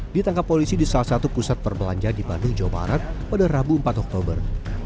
ditangkap polisi di salah satu pusat perbelanja di bandung jawa barat pada rabu empat oktober